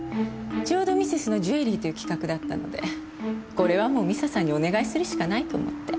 ちょうどミセスのジュエリーという企画だったのでこれはもう美佐さんにお願いするしかないと思って。